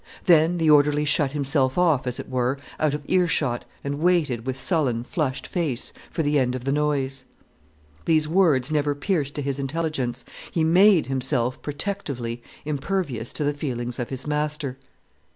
Then the orderly shut himself off, as it were out of earshot, and waited, with sullen, flushed face, for the end of the noise. The words never pierced to his intelligence, he made himself, protectively, impervious to the feelings of his master.